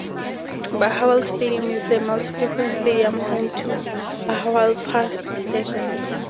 Bahawal Stadium is the multipurpose stadium, home to Bahawalpur Stags.